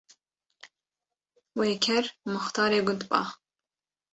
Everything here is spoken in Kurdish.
Wê ker muxtarê gund ba